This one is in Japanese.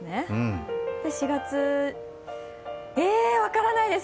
それで４月、えー、分からないです！